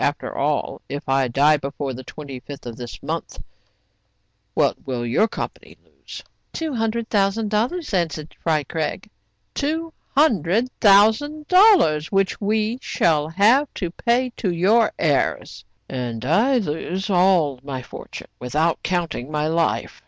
After all, if I die before the 25th of this month, what will your company lose ?" I40 TRIBULATIONS OF A CHINAMAN. "Two hundred thousand dollars," answered Fry Craig. "Two hundred thousand dollars, which we shall have to pay to your heirs. "And I lose all my fortune, without counting my life.